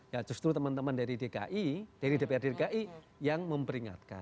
ya justru teman teman dari dki dari dprd dki yang memperingatkan